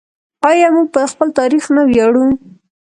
آیا موږ په خپل تاریخ نه ویاړو؟